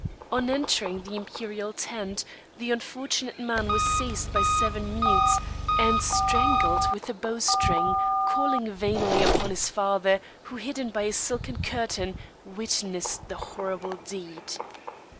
On entering the imperial tent, the unfortunate man was seized by seven mutes, and strangled with a bowstring, calling vainly upon his father, who, hidden by a silken curtain, witnessed the horrible deed.